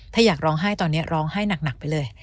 ถ้าอยากร้องไห้ตอนนี้ร้องไห้หนักไปเลย